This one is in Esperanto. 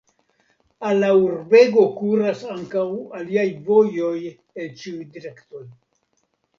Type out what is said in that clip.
Al la urbego kuras ankaŭ aliaj vojoj el ĉiuj direktoj.